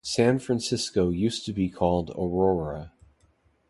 San Francisco used to be called Aurora.